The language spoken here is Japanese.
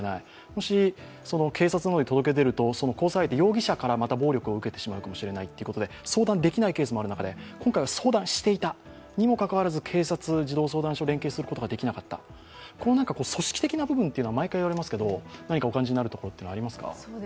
もし警察の方に届け出ると、交際相手、容疑者からまた暴力を受けてしまうかもしれないということで相談できないケースもある中で今回は相談していたにもかかわらず、警察、児童相談所、連携することができなかった組織的な部分というのは毎回いわれますけど何かお感じになるところはありますか。